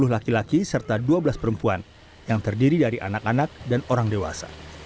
sepuluh laki laki serta dua belas perempuan yang terdiri dari anak anak dan orang dewasa